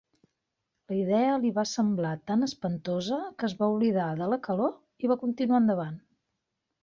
La idea li va semblar tan espantosa que es va oblidar de la calor i va continuar endavant.